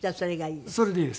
それでいいですか？